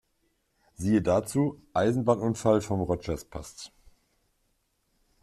Siehe dazu: Eisenbahnunfall vom Rogers Pass.